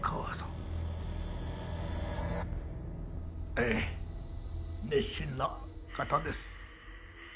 ええ熱心な方です。